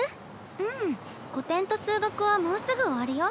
うん古典と数学はもうすぐ終わるよ。